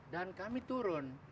dan kami turun